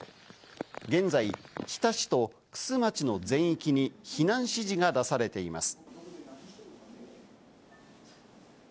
現在、日田市と玖珠町の全域に避難指示が出されています。